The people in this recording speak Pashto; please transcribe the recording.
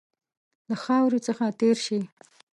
له خاوري څخه تېر شي.